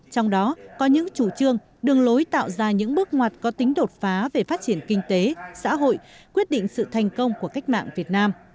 trong đó có những chủ trương đường lối tạo ra những bước ngoặt có tính đột phá về phát triển kinh tế xã hội quyết định sự thành công của cách mạng việt nam